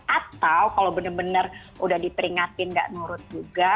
atau kalau benar benar udah diperingatin gak nurut juga